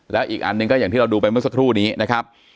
แล้วอีกอันหนึ่งก็อย่างที่เราดูไปเมื่อสักครู่นี้นะครับ